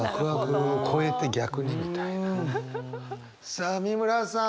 さあ美村さん。